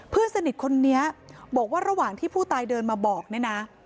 เพื่อนสนิทคนนี้บอกว่าระหว่างที่ผู้ตายเดินมาบอกเนี่ยนะ